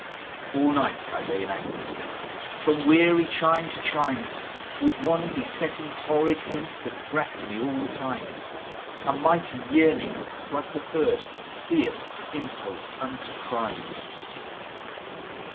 XXVI. "All night I lay in agony, From weary chime to chime, With one besetting horrid hint, That rack'd me all the time; A mighty yearning, like the first Fierce impulse unto crime!"